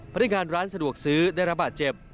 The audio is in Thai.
พนักงานร้านสะดวกซื้อได้รับบาดเจ็บ